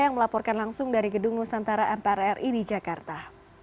yang melaporkan langsung dari gedung nusantara mpr ri di jakarta